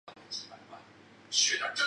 布卢姆和露丝玛丽决定在新校支持他。